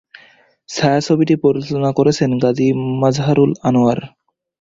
ছায়াছবিটি পরিচালনা করেছেন গাজী মাজহারুল আনোয়ার।